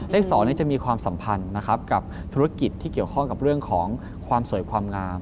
เลข๒จะมีความสัมพันธ์นะครับกับธุรกิจที่เกี่ยวข้องกับเรื่องของความสวยความงาม